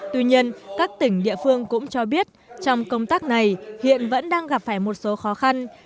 tuy nhiên các tỉnh địa phương cũng cho biết trong công tác này hiện vẫn đang gặp phải một số khó khăn